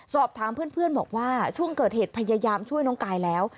สอบถามเพื่อนบอกว่าช่วงเกิดเหตุพยายามช่วยน้องกายแล้ว